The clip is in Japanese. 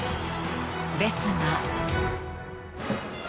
［ですが］